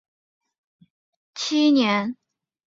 崇祯七年卒。